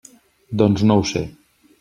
Doncs no ho sé.